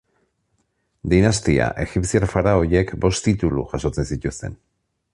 Dinastia, egipziar faraoiek bost titulu jasotzen zituzten.